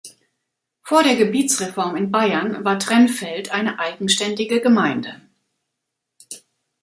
Vor der Gebietsreform in Bayern war Trennfeld eine eigenständige Gemeinde.